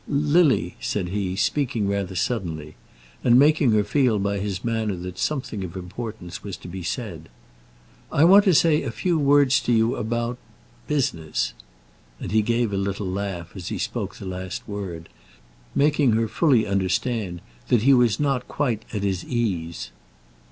"Lily," said he, speaking rather suddenly, and making her feel by his manner that something of importance was to be said; "I want to say a few words to you about, business." And he gave a little laugh as he spoke the last word, making her fully understand that he was not quite at his ease.